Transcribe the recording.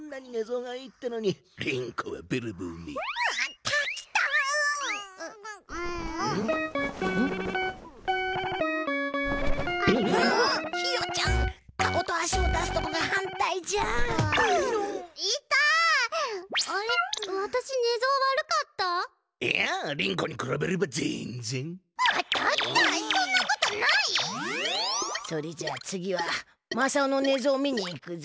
それじゃあ次はまさおの寝相を見に行くぞ。